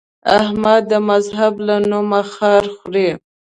احمد د مذهب له نومه خار خوري.